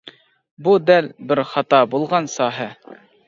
بۇ دەل بىر خاتا بولغان ساھە.